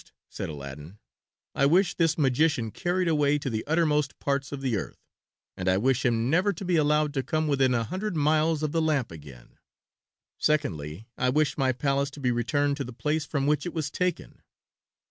"First," said Aladdin, "I wish this magician carried away to the uttermost parts of the earth, and I wish him never to be allowed to come within a hundred miles of the lamp again. Secondly, I wish my palace to be returned to the place from which it was taken."